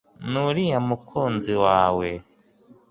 nuriya mukunzi wawe